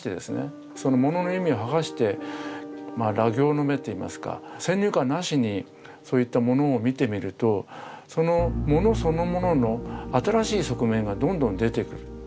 その物の意味を剥がして裸形の眼といいますか先入観なしにそういった物を見てみるとその物そのものの新しい側面がどんどん出てくる。